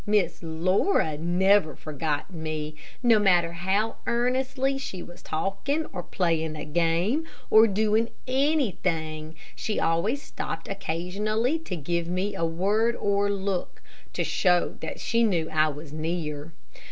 Miss Laura never forgot me. No matter how earnestly she was talking, or playing a game, or doing anything, she always stopped occasionally to give me a word or look, to show that she knew I was near.